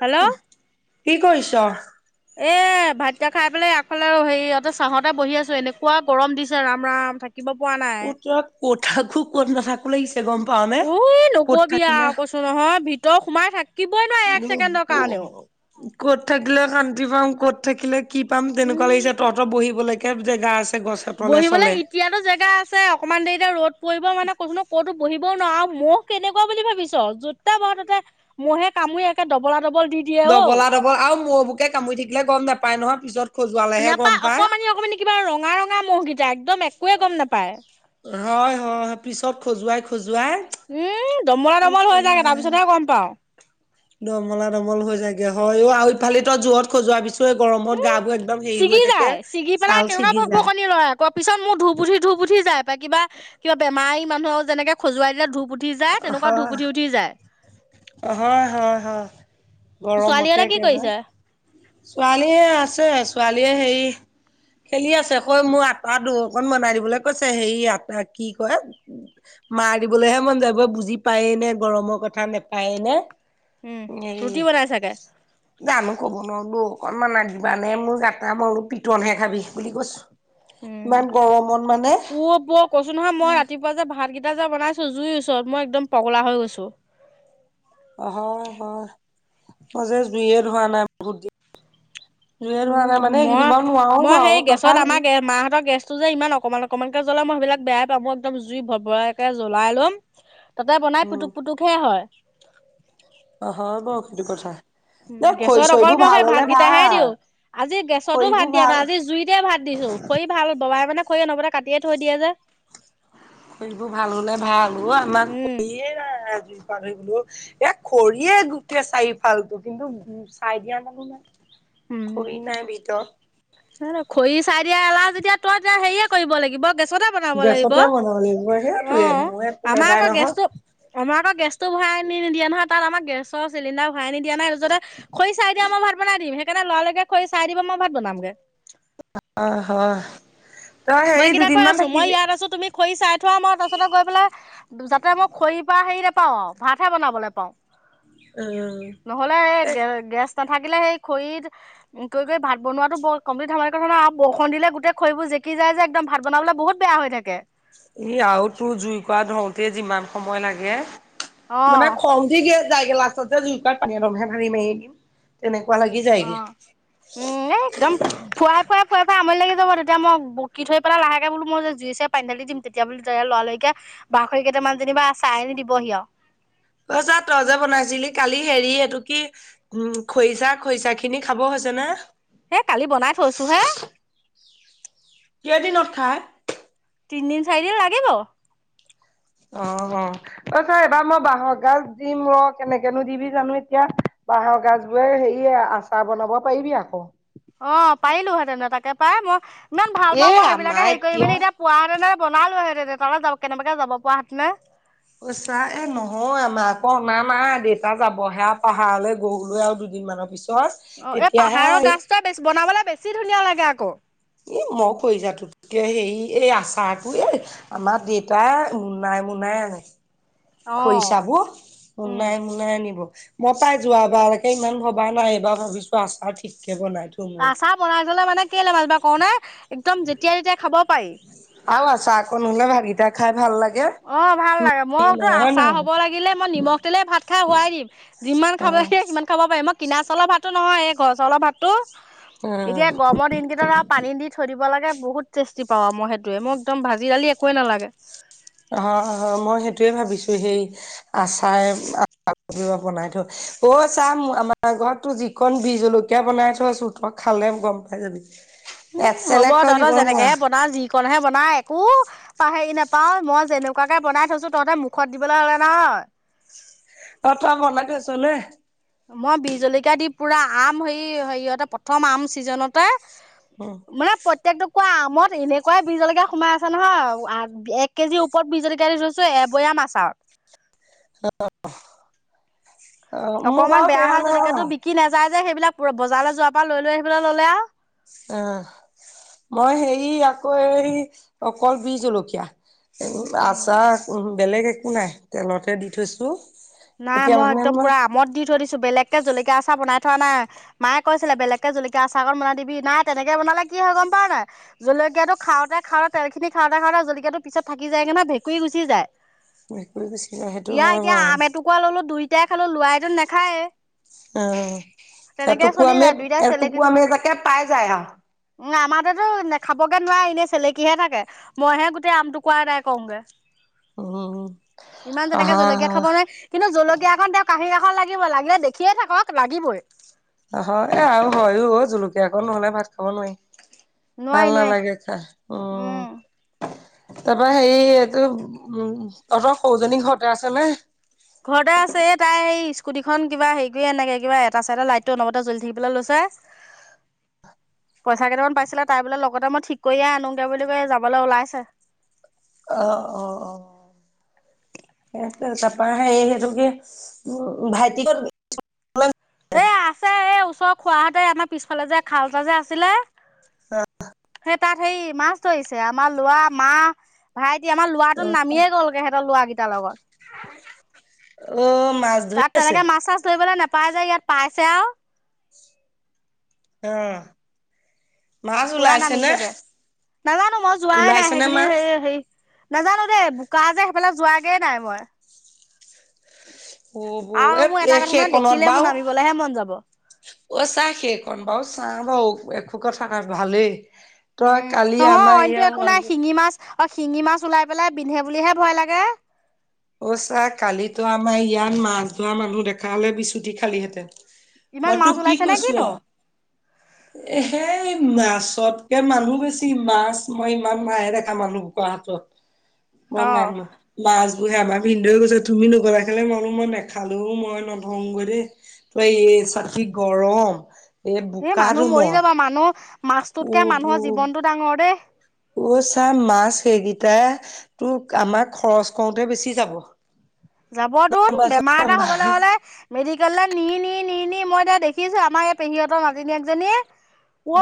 Hello কি কৰিছ এই ভাত কেইটা খাই পেলাই আগফালে আৰু হেৰি ইহঁতে চাহতে বহি আছোঁ এনেকুৱা গৰম দিছে ৰাম ৰাম থাক কত থাকো কত নাথাকো লাগিছে গম পাও নে উ কত নকবি থাকিলে আৰু কৈছো নহয় ভিতৰ সোমাই থাক কত থাকিলে শান্তি পাম কত থাকিলে কি পাম তেনেকুৱা উম লাগিছে তহঁত বহিব লাগিব বহিবলৈ এতিয়াতো জেগা আছে অকমান দেৰি এ ৰ'দ পৰিব মানে কোন কতো বহিবও নোৱাৰো আৰু মহ কেনেকুৱা বুলি ভাবিছ যতে বহ ততে মহে কামুৰি একে ডবলা ডবল দি দিয়ে অ দবলা- দবল আৰু মৌবুকে কামুৰি থাকিলে গম নাপায় নহয় পিছত খজুৱালেহে গম নাপায় পায়। অকমানি - অকমানি কিবা ৰঙা- ৰঙা ম'গেইটা একদম একোৱে গম নাপায়। হয়- হয় পিছত খজুৱাই- খজুৱাই। উম, দমলা - উফ দমল হৈ থাকে তাৰ ৰাম পিছতহে গম পাও। দমলা দমল হৈ যায়গে হয় অ' ইফালি তই জোৰত খজোৱা পিছত উম, ছিগি যায় ছিগি পেলাই ছাল কেনেকুৱা ছিগি ভব যায় কণী ৰয় আকৌ পিছত মোৰ ধু পুঠি ধু পুঠি যায়। ত কিবা কিবা বেমাৰী মানুহৰ যেনেকে খজুৱাই দিলে ধূপ উঠি যায় তেনেকুৱা হয় ধূপুঠি উঠি যায়। হয় হয় হয় গৰমতে ছোৱালীহঁতে কি একেবাৰে। কৰিছে? ছোৱালীহে আছে, ছোৱালীয়ে হেৰি খেলি আছে কৈ মোৰ আটাটো অকণ বনাই দিবলৈ কৈছে হেই আটা কি কয় মাৰ দিবলৈহে মন যায়াব বুজি পায়ে নে গৰমৰ কথা নেপায় নে। উম। এই ৰুটি বনাই চাগে। যামো কব [inaudible] ত অকনমান আ দিবা নে মোৰ গাটা মইলো পিটনহে খাবি বুলি [inaudible] কৈছো উম, ইমান গৰমত মানে বৌ কৈছো নহয় মই ৰাতিপুৱা যে ভাত কেইটা াজা বনাইছো জুইৰ ওচৰত মই একদম পগলা হৈ গৈছোহ হয় হয় মই যে জুইয়ে ধোৱা নাই বহুত দ উম, মই - মই বাৰু সেই গেছত তথাপিতো আমাৰে মাহতৰ গেছ যে ইমান অকমান অকনমানকে জ্বলা মই সেইবিলাক বোই পাওঁ মই একদম জুই ভৰ ভৰাকে জ্বলাই লম। তাতে বনাই পুতুক - পুটুকহে হয়। অ' হয় বাৰু সেইটো কথা। এ খৰি গেছত অকল চৰিবোৰ মই ভাল সেই ভাত হলে কেইটাহে ভাল দিওঁ আজি গেছতো ভাত খৰিবোৰ দিয়া ভাল নাই আজি জুইতে ভাত দিছো। খৰি ভাল ববাই মানে খৰি নবতে কাটিয়ে থৈ দিয়ে যে। খৰিবোৰ ভাল হলে ভাল আমাক উম খৰিয়েই নাই লো এ খৰিয়ে গোটেই চাৰিওফালতটো কিন্তু চাই দিয়া মানুহ নাই উম খৰি নাই ভিতৰত এতিয়া এলাহ যেতিয়া তই এতিয়া হেৰিয়ে কৰিব লাগিব ব গেছতে বনাব লাগিব সেইটোৱে মোৰ একো নাযায় নহয় অ গেছটো ভৰাই নিদিয়া নহয় তাত আম গেছৰ চিলিণ্ডাৰ ভৰাই নিদিয়া নাই যজতে খৰি চাই দিয় আমই ভাত বনাই দিম সেই সেইকাৰণে লৰালৰিকে খৰি চাই দিব মই ভাত বনামগে অ হয় তই মই হেৰি এই কেইটা কৈ দুদিনমান আছো মই থাকিবি ইয়াত আছো তুমি খৰি চাই থোৱা মই তাৰ পছতে গৈ পেলাই যাতে মই খৰিৰ পৰা হেৰি নাপাও আৰু ভাতহে বনাবলৈ পাওঁ উম নহ'লে এই গেছ নাথাকিলে সেই খৰিত গৈ গৈ ভাত বনোৱাতো কমপ্লিট বৰষণ দিলে গোটেই খৰিবোৰ জ কি যায় যে একদম ভাত বনাবলৈ বহুত বেয়া হৈ থাকে ই আৰু তোৰ জুই কোৰা ধৰতে যিমান সময় লাগে মানে অ', খং উঠি যাইগে লাষ্টতে জুইক পানী। অলপহে ধালিম সাৰি মাৰি দিম তেনেকে অ উম একদম ফুৱাই ফুৱাই ফুৱাই ফাই আমনি লাগিলে যাব তেতিয়া মই বকি থৈ পেল লাহেকে বো মই যে জুই চছো পানী ধালি দিম তেতিয়া বোলে ত লৰালৰিকে বাহৰিক যেনিবা চাই আনি দিব সি অই যা তই যে বনাইছিলি কালি হেৰি এইটো কি উম খৰিচা খৰিচা খিনি খাব যেনে হেই কালি বনাই থৈছো হে কেইদিনত খায় তিনিদিন চাৰিদিন লাগিব অ অ ত ছ এবাৰ মই বাহৰ গাজ দিম ৰ কেনেকেনো দিবি জানো এতিয়া বাঁহৰ গছ বোৰে হেৰিয় আচাৰ বনাব পাৰিবি আকৌ অ পাৰিলোহেতেনে তাকে পাই মই ইমান ভাল এ পাওঁ মই আমাৰ সেইবিলাকে হেৰি কৰি মেলি এতিয়া পোৱাহেঁতেনে বনালো হিতে তাত যাব কেনেবাকে যাব পোৱা হেতি নে পচা এ নহয় আমাৰ আকৌ অনা নাই দেউতা যাবহে পাহাৰলৈ গৰুলৈ আৰু দু দুদিনমানৰ পিত অ এই পাহাৰৰ গাজ টো বেছ বনাবলে বেছি ধুনীয়া লাগে আকৌ উ মই কৰি যাতো তেতিয়া হেৰি এই আচাৰটো এ আমাৰ দেউতাই মুনাই মুনাই অ। খৰিচাবোৰ উম মোনাই মোনাই আনিব মই পাই যোৱাবাৰকে ইমান ভবা নাই এইবাৰ ভাবিছো আচাৰ ঠিক আচা বনাই থলে মানে কেলে মাাজু বাই কও নাই একদম যেতিয়া তেতিয়া খাব পাৰি। আৰু আছা আকৌ নহলে ভাতগিটা খাই ভাল লাগে অ ভাল লাগে মই তোৰ হয় আচাৰ নহয় হব লাগিলে মই নিমখ তেলেই ভাত খাই শোৱাই দিম যিমান খাব অ', কিমান খাব পাৰে আমাক কিনা চাউলৰ ভাতো নহয় এই ঘৰ চাউলৰ ভাতটোো উম। এতিয়া গৰমৰ দিন কেইটত আৰু পানী দি থৈ দিব লাগে বহুত টেষ্টি পাও আৰু মই সেইটোৱে মোক একদম ভাজি দালি একোৱে নালাগে অ মই সেইটোয়ে ভাবিছো সেই আচাৰ বনাই থ অ চাহ আমাৰ ঘৰতো যিখন বিজ জলকীয়া বনাই থ চোত খ খালে গম পাই যাবি উম হ'ব একচেলেক তই দিব তহঁতৰ নোৱাৰ যেনেকেহে বনা যিকণহে বনাই উ প হেৰি নাপাও মই যেনেকুৱাকে বনাই থৈছো তহঁতে মুখত দিবলৈ হলে নহ অ ত ভৰ লাগে আছলে মই বি জলকীয়া দি পুৰা আম হেৰি হেৰিয়হতে প্ৰথম আম চিজনতে মানে প্ৰত্যেকটো কোৱা আমত এনেকুৱাই বিজ জলকীয়া সোমাই আছে নহয় এক কেজি ওপৰত বীজ জলকীয়া দি লৈছো এবয়া মা চাত [unintelligible] অকমান বাৰু বেয়া সেয়া হয় নহয় যদিকেতো বিকি নাযায় যে সেইবিলাক বজাৰলে যোৱা পা লৈ লৈ আহিবলে ললে আ আহ মই হেৰি আকৌ এই অকল বি জলকীয়া উম, আচাৰ বেলেগ একো নাই তেলতহে দি থৈছো। নাই এতিয়া মই মানে একদম পুৰা আমত দি থৈ দি বেলেগকে জলকীয়া আচাৰ বনাই থোৱা নাই, মায়ে কৈছিলে জলকীয়া আচাৰকণ বনাই দিবি নাই তেনেকে বনালাগে কি হয় গম পাৱ নাই? জলকীয়াটো খাওঁতে খাওঁতে তেল খি খাওঁতে খাওঁতে জলকীয়াটো পিছত থাকি যায়গে নহ ভেকুী গুচি যায়। ভেকুৰী গুচি যায় সেইটো ইয়া হয় এতিয়া বাৰু। আম এটুকুৰা ললো দুইটাই খালো লোৱাই নাখায়ে। অ তেনেকে চলি এটকুৰামে যায় দুইটাই এটুকুৰামে তাকে পাই যায় হা উ আমাৰতোয়ে তো নেখাবগে নোৱাৰে এনেই চেলেকিহে থাকে, মইহে গোটেই আমটুকুৰা আদায় কৰোগে। অ ইমান তেনেকে জলকীয়া খাবনে, কিন্তু জলকীয়া এক তেওঁ কাহি লাগিবই লাগিলে দেখিয়ে থাকক লাগিবই। অ এ আৰু হয়ও জলকীয়া কণ আকৌ নহলে ভাত খাব নোৱাৰি। নোৱাৰি ভাল নোৱাৰি নালাগে খাই উম অঁ। তাৰপৰা হেৰি এইটো উম তহঁতৰ সৌজনী ঘৰতে আছে নে? ঘৰতে আছে এ তাই সেই স্কুটিখন কিবা হেৰি কৰিয়ে আনেগে কিবা এটা চাইডৰ লাইটটো অনবৰতে জ্বলি থাকিবলৈ লৈছে। হ [unintelligible] পইচা কেইটামান পাইছিলে তাই বোলে লগতে মই ঠিক কৰিয়ে আনোগে বুলি কৈ যাবলৈ ওলাইছে। অ অ অ সেইটো তাৰপৰা সেইতুকে উ ভাইটিক এ আছে এ ওচৰৰ খোৱাহতে আমাৰ পিছফালে যে খাল এটা যে আছিলে,, সেই তাত সেই মাছ ধৰিছে আমাৰ লৰা মা ভাই এতি আমাৰ লৰাটো নামিয়ে গলগে হেত লৰাৰাকেইটা লগত অঁ তাত তেনেকে মাছ চাছ ধৰিবলৈ নেপায় যে ইয়াত পাইছে আৰু। অহ। পুৰা নামিছেগে, নাজানো মই যোৱাই নাই ওলাইছে নে সেইখিনি মাছ এ হেৰি নাজানো দেই বোকা যে সেইফালে যোৱাগে নাই মই। ও ব' আৰু এ মোৰ এটা এ কথা নহয় সেইকণত দেখিলে মোৰ বাও নামিবলৈহে মন যাব। অ', চা সেইকণ বাৰু চা বাৰু এখোক থাকা ভালেই। তই উম, কালি নহয় আমাৰ অইনটো ইয়াত একো নাই, মানুহ শিঙি মাছ হয়ো শিঙি মাছ ওলাই পেলাই বিন্ধে বুলিহে ভয় লাগে। অ', চা কালিতো আমাৰ ইয়াত মাছ ধৰা মানুহ দেখা হালে বিচুটি খালিহেঁতেন। ইমান মই মাছ তোক কি ওলাইছে নে কৈছো কিনো? এ সেই মাছতকে মানুহ বেছি, মাছ মই ইমান নাহে দেখা মানুহ বোকৰ হাতত। কম অ মানুহ মাছ টোহে আমাৰ ভিন্ধৈ গৈছে তুমি নগলা কেলে মই বোলো মই নেখালো মই নধংগৈ দেই, তই এ চা কি গৰম। এই এ বোকা মানুহ মৰি দোমত যাবা মানুহ উ মাছটোতকে বু মানুহৰ জীৱনটো ডাঙৰ দেই অ', চা মাছ সেইকিটাই তোক আমাক খৰচ কৰোঁতে বেছি যাব। [inaudible] গম যাবটোন পাইছ বেমাৰ এটা হ'বলৈ হ'লে মেডিকেললৈ নি, নি, নি, নি, মই এতিয়া দেখিছোঁ আমাৰ এই পেহীহঁতৰ মাজিনীকজনীয়ে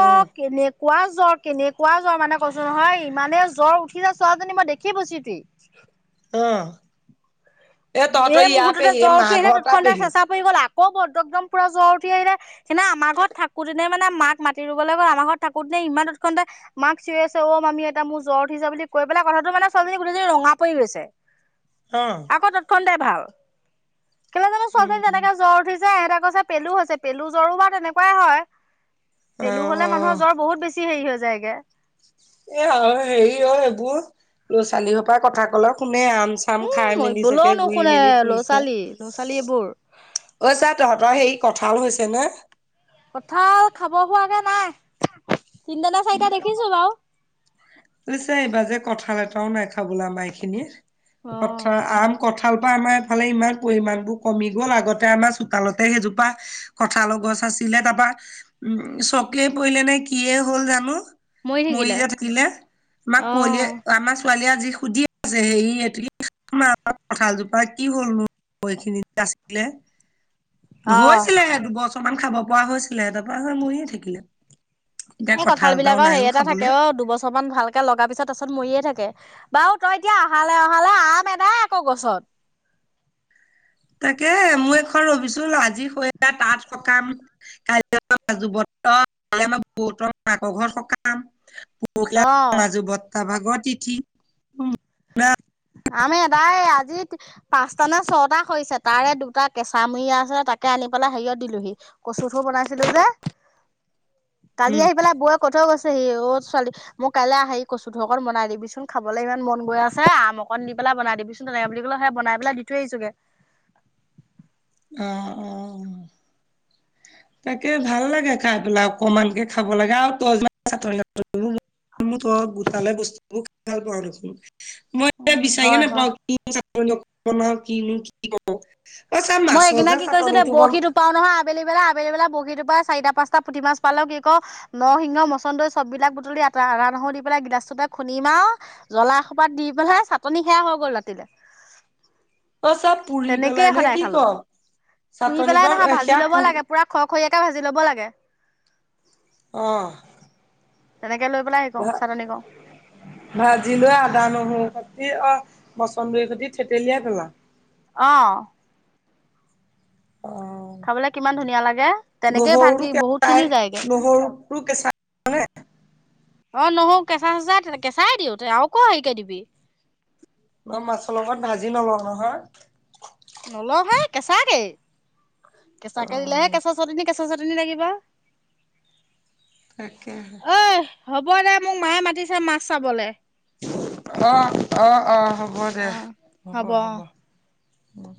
উম কেনেকুৱা জ্বৰ, কেনেকুৱা জ্বৰ মানে কৈছো নহয় ইমানে জ্বৰ উঠিছে ছোৱালীজনীৰ মই দেখি [unintelligible] অহ। এ মুহূৰ্ততে জ্বৰ উঠি আহিল তাৰ তৎক্ষণাতে পেহী চেঁচা পৰি গ'ল আ ক বদ্ৰকদম পূৰা জ্বৰ উঠি আহিলে সিনে আমাৰ ঘৰত থাকোতেনে মানে মাক মাতি ৰুবলৈ গল আমাৰ ঘৰত থাকোতেনে ইমান উৎকণ্ড মাক চুই আছে অ মামি এটা মোৰ জ্ব উঠিা বুলি কৈ পেলাই কথাটো মানে ছোৱালীজনী গোটেইজনী ৰঙা পৰি গৈছে। অহ ', ভ কোৱালনে উম জৰ উঠি [unintelligible] যে এহঁতে কৈছে পেলু হৈছে পেলু জ্বৰো বাৰ তেনেকুৱাই হয়। অ পেলু হ'লে মানুহৰ জ্বৰ বহুত বেছি হেৰি হৈ যায়গে। এ, অ', হেৰি অ', এইবোৰ ল'ৰা, ছোৱালী সোপাই কথা ক'লে শুন মানে আম, চাম এই খাই মেলি মৰিবলৈও চাগে ঘূৰি, নুশুনে মেলি ল'ৰা ফুৰিছে। ছোৱালী অই, ল'ৰা ছোৱালী এইবোৰ। চা, তহঁতৰ হেৰি কঁঠাল হৈছেনে? কঁঠাল খাব হোৱাগে নাই তিনটানে, চাৰিটা দেখিছোঁ বাৰু। পিছে এইবাৰ যে কঠাল এটাও নাই খাবলে আমাৰ এইখিনিত৷ অ' কঠাল আম কঠা আমাৰ এফালে ইমান পৰিমাণবোৰ কমি গ'ল আগতে আমাৰ চোতালতে সেইজোপা কঁঠালৰ গছ আছিলে তাৰাপা উম চকে পৰিলে নে কিয়ে হ'ল জানো মৰি থাকিলে থাকিলে আমাক কুঁৱলীয়ে অ'। আমাৰ ছোৱালীয়ে আজি সুধি আছে সেই অ মা আমাৰ কঁঠালজোপা কি হ'লনো এইখিনিত যে আছিলে অ' হৈছিলেহে দুবছৰ মান খাব পৰা হৈছিলেহে তাৰপৰা মৰিয়ে থাকিলে এতিয়া এই কঁঠাল এটাও বিলাকৰ নাই হেৰি অ এটা থাকে খাবলে। অ' দুবছৰ দুবচমান ভালকে লগা পিছত তাৰপিছত মৰিয়ে থাকে বাৰু তই এতিয়া অহালে অহালে আম এদাই আকৌ গছত [inaudible] তাকেহে মো এইখন ৰবিছোন আজি হৈ তাঁত সকাম কাইলৈ আকৌ অ' কাইলে আকৌ আমাৰ বৌহঁতৰ মাক ঘৰত সকাম পখিলে আকৌ অ'। মাজু বৰ্তা ভাগ তিথি আম এদায়ে আজি পাঁচটা নে ছটা সৰিছে তাৰে দুটা কেঁচামূৰিয়া আছিলে তাকে আনি পেলাই হেৰিয়ত দিলোহি কচু থোত বনাইছিলো যে [inaudible] কালি উম, আহি পেলাই বৌয়ে কৈ থৈ গৈছে অ' ছোৱালী মোক কাইলৈ হেৰি কচু থোৰ অকন বনাই দিবিচোন খাবলৈ ইমান মন গৈ আছে আম অকণ দি পেলাই বনাই দিবিচোন তেনেকে বুলি কলে সেই বনাই পেলাই দি থৈ আহিছোগে অ' অ' তাকে ভাল লাগে খাই পেলাই অকমানকে খাব লাগে আৰু মই তো গোটালে বস্তুবোৰ ভাল পাওঁ দেখোন। মই উম বিচাৰিয়ে হয় হয় নাপাওঁ কিনো। [inaudible] মই মাছৰ এইকেইদিনা যে কি কৰিছোঁ দে চাটনিটো বন বৰশী টোপাও নহয় আবেলি আবেলি বেলা আবেলি আবেলা বৰশী টোপাই চাৰিটা, পাঁচটা পুঠি মাছ পালেওঁ কি কৰোঁ? নৰিসিংহ, মচুন্দৰি চববিলাক বুটলি আত আদা? নহৰু দি পেলাই গিলাচটোতে খুন্দিম আৰু জ্বলা এসোপা দি পেলাই চাটনি সেয়া হৈ গ'ল ৰাতিলে। [unintelligible] অ, চব পুৰি পেলাই তেনেকেই নে সদায় কি ক খালো, পুৰি পেলাই চাটনিকণ নহয় এ ভাজি সেয়া ল'ব পুৰ লাগে। পোৰা খক খৰিয়াকে ভাজি ল'ব লাগে। অ'হ তেনেকে লৈ পেলাই হেৰি কৰো ভা চাটনি কৰো -ভাজিলৈ আদা, নহৰু অ, মছন্দৰী সতি থেতেলিয়াই পেলাম? অ'হ। অ'। খাবলৈ কিমান ধুনীয়া লাগে তেনেকেই ভাত নহৰু বহুত খিনি কেঁচাই, যায়গে নহৰুটো কেঁচাতে। [unintelligible] অ' নহৰু কেঁচা-চেচা, কেঁচাই দিওঁ তই আকৌ হেৰিকে দিবি? মই মাছৰ লগত ভাজি নলওঁ নহয়। নলওঁ হে, কেঁচাকেই, কেঁচাকেই দিলেহে অ কেঁচা চাটনি কেঁচা চাটনি লাগিব? তাকেহে। ঐ হ'ব দে, মোক মায়ে মাতিছে মাছ চাবলে। অ'হ, অ'হ অ, হ'ব দে, অ হ'ব, হ'ব। উম,